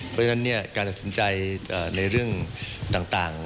เพราะฉะนั้นการตัดสินใจในเรื่องต่าง